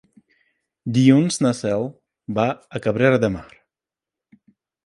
Dilluns na Cel va a Cabrera de Mar.